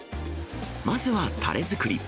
まずはたれ作り。